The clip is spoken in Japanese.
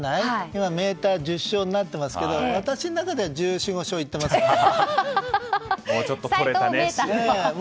今、メーターが１０勝になっていますけど私の中では１４１５勝になってますから。